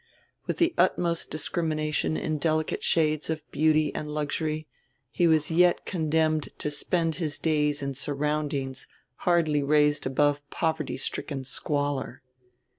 With the utmost discrimination in delicate shades of beauty and luxury he was yet condemned to spend his days in surroundings hardly raised above poverty stricken squalor.